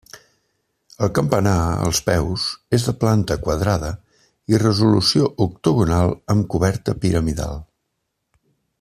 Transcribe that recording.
El campanar, als peus, és de planta quadrada i resolució octogonal, amb coberta piramidal.